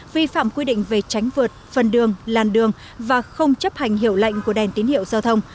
vi phạm quy định về tránh vượt phần đường làn đường và không chấp hành hiệu lệnh của đèn tín hiệu giao thông